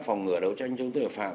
phòng ngửa đấu tranh chống tội phạm